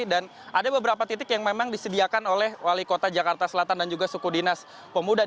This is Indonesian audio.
dan ada beberapa titik yang memang disediakan oleh wali kota jakarta selatan dan juga suku dinas pemuda